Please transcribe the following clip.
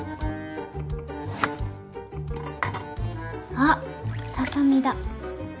あっささみだ。